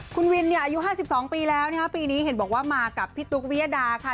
คุณวินเนี่ยอายุ๕๒ปีแล้วนะคะปีนี้เห็นบอกว่ามากับพี่ตุ๊กวิยดาค่ะ